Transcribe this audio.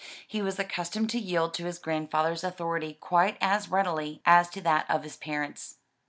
He was accustomed to yield to his grandfather's authority quite as readily as to that of his parents.